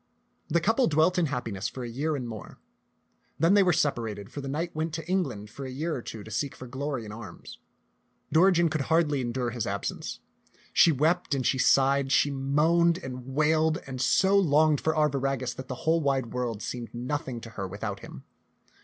The couple dwelt in happiness for a year and more. Then they were separated, for the knight went to Eng land for a year or two to seek for glory in arms. Dori gen could hardly endure his absence. She wept and she sighed, she moaned and wailed and so longed for Arviragus that the whole wide world seemed nothing to her without him.